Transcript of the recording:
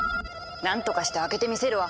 なんとかして開けてみせるわ。